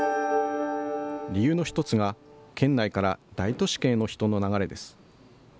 理由の一つが、県内から大都市圏への人の流れです。